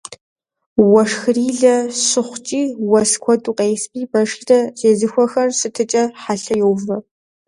Уэшхырилэ щыхъукӀи, уэс куэду къесми, машинэ зезыхуэхэр щытыкӀэ хьэлъэ йоувэ.